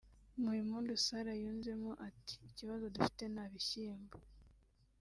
Muhimpundu Sara yunzemo ati “ikibazo dufite nta bishyimbo